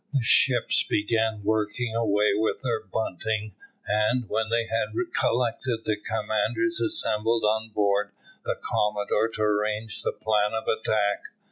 The ships began working away with their bunting, and, when they had collected, the commanders assembled on board the Commodore to arrange the plan of attack.